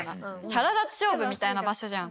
キャラ立ち勝負みたいな場所じゃん。